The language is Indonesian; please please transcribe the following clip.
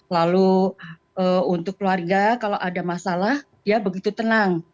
lalu untuk keluarga kalau ada masalah dia begitu tenang